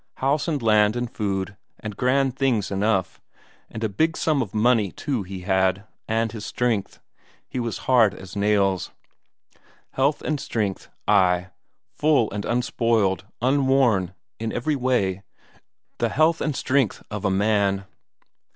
House and land and food and grand things enough, and a big sum of money too he had, and his strength; he was hard as nails. Health and strength ay, full and unspoiled, unworn, in every way, the health and strength of a man.